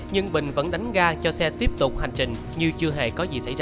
nhưng bình vẫn đánh ga cho xe tiếp tục hành trình như chưa hề có gì xảy ra